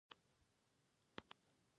د ډاله له ډنګ سره یې قلندرې غړانګه کوله.